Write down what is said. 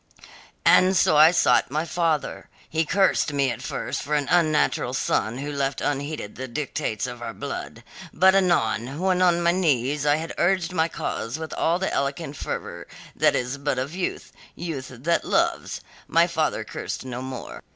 "And so I sought my father. He cursed me at first for an unnatural son who left unheeded the dictates of our blood. But anon, when on my knees I had urged my cause with all the eloquent fervour that is but of youth youth that loves my father cursed no more.